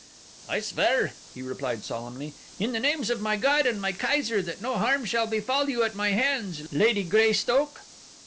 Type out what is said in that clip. "I swear," he replied solemnly, "in the names of my God and my Kaiser that no harm shall befall you at my hands, Lady Greystoke."